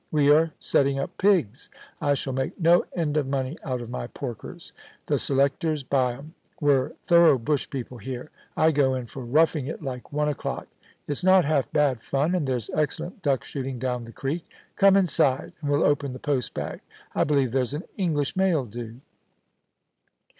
We are setting up pigs. I shall make no end of money out of my porkers ; the selectors buy 'em. We're thorough bush people here. I go in for roughing it like one o'clock. It's not half bad fun ; and there's excellent duck shooting down the creek. Come inside and we'll open the post bag. I believe there's an English mail due.'